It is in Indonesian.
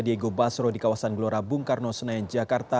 diego basro di kawasan gelora bung karno senayan jakarta